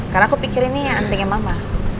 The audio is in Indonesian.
karena aku pikir ini antingnya mama